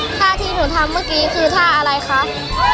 ท่าที่หนูทำเมื่อกี้คือท่าอะไรคะ